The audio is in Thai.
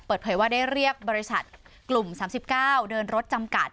เปิดเผยว่าได้เรียกบริษัทกลุ่ม๓๙เดินรถจำกัด